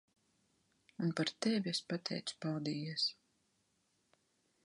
Un par tevi es pateicu paldies.